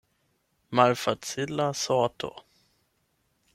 Malfacila sorto.